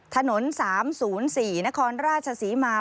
ถนน๓๐๔นครราชศรีมา